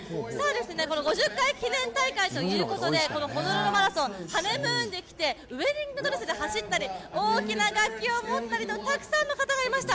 この５０回記念大会ということでこのホノルルマラソンハネムーンで来てウェディングドレスで走ったり大きな楽器を持ったりとたくさんの方がいました。